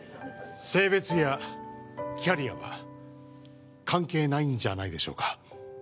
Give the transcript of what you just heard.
性別やキャリアは関係ないんじゃないでしょうか